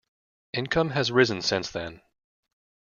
Income has risen since then.